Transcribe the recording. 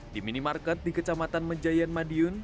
di minimarket di kecamatan mejayan madiun